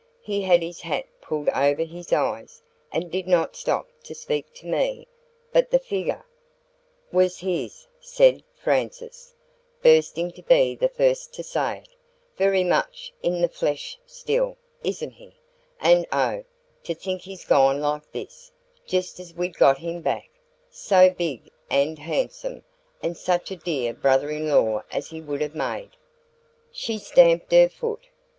He had his hat pulled over his eyes, and did not stop to speak to me; but the figure " "Was his," said Frances, bursting to be the first to say it. "Very much in the flesh still, isn't he? And oh, to think he's gone like this, just as we'd got him back SO big and handsome, and such a DEAR brother in law as he would have made!" She stamped her foot.